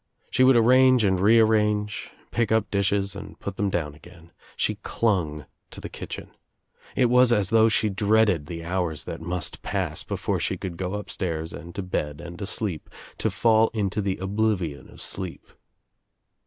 She would arrange and rearrange, pick up dishes and put them down again. She clung to the kitchen. It was as though she dreaded the hours that must pass before she could go upstairs and to bed and asleep, to fall into the oblivion of sleep.